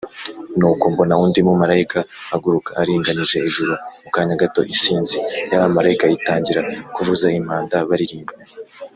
Nuko mbona undi mumarayika aguruka aringanije ijuru mukanya gato isinzi y’abamarayika itangira kuvuza impanda baririmba.